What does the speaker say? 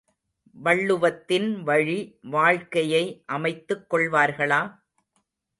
வள்ளுவத்தின் வழி வாழ்க்கையை அமைத்துக் கொள்வார்களா?